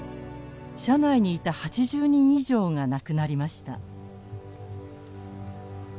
車内にいた８０人以上が亡くなりました。